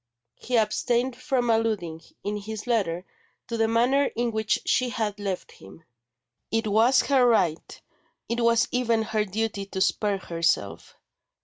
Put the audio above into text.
He abstained from alluding, in his letter, to the manner in which she had left him; it was her right, it was even her duty to spare herself.